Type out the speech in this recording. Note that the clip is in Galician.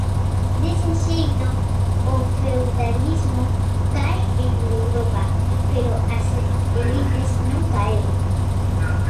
Dese xeito, o feudalismo cae en Europa, pero as elites non caeron.